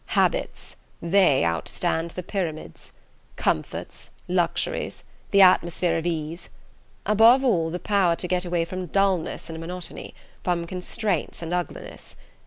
Habits they outstand the Pyramids. Comforts, luxuries, the atmosphere of ease... above all, the power to get away from dulness and monotony, from constraints and uglinesses.